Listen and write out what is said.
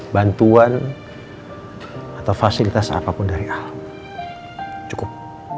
bantuan atau fasilitas apapun dari hal cukup